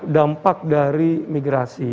dampak dari migrasi